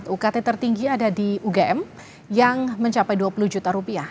ukt tertinggi ada di ugm yang mencapai dua puluh juta rupiah